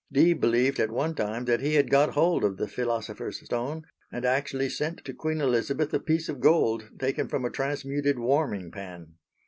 Dee believed at one time that he had got hold of the Philosopher's Stone, and actually sent to Queen Elizabeth a piece of gold taken from a transmuted warming pan.